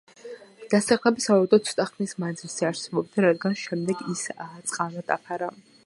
დასახლება სავარაუდოდ ცოტა ხნის მანძილზე არსებობდა, რადგან შემდეგ ის წყალმა დაფარა.